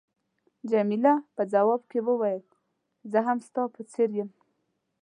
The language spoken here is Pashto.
جميله په ځواب کې وویل، زه هم ستا په څېر یم.